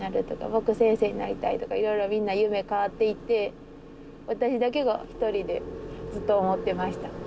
「僕先生になりたい」とかいろいろみんな夢変わっていって私だけが一人でずっと思ってました。